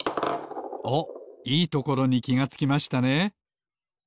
おっいいところにきがつきましたね。